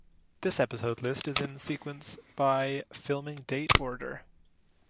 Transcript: This episode list is in sequence by "filming date order".